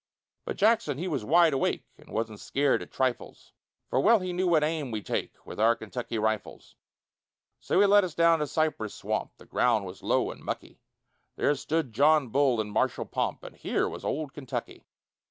But Jackson he was wide awake, And wasn't scared at trifles, For well he knew what aim we take With our Kentucky rifles; So he led us down to Cypress Swamp, The ground was low and mucky; There stood John Bull in martial pomp But here was Old Kentucky.